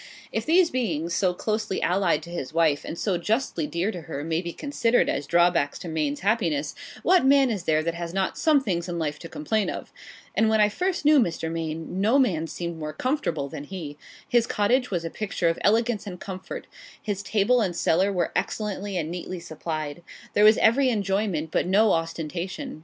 If these beings, so closely allied to his wife, and so justly dear to her, may be considered as drawbacks to Maine's happiness, what man is there that has not some things in life to complain of? And when I first knew Mr. Maine, no man seemed more comfortable than he. His cottage was a picture of elegance and comfort; his table and cellar were excellently and neatly supplied. There was every enjoyment, but no ostentation.